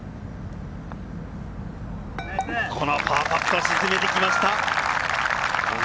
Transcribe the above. このパーパットを沈めてきました。